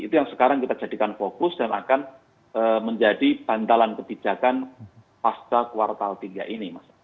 itu yang sekarang kita jadikan fokus dan akan menjadi bantalan kebijakan pasca kuartal tiga ini mas